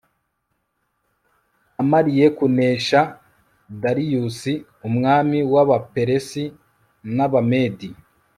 amariye kunesha dariyusi, umwami w'abaperisi n'abamedi